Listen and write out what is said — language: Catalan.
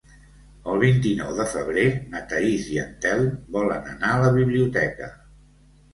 El vint-i-nou de febrer na Thaís i en Telm volen anar a la biblioteca.